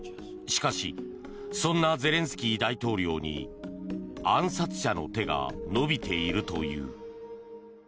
しかしそんなゼレンスキー大統領に暗殺者の手が伸びているという。